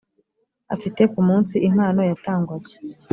afite ku munsi impano yatangwaga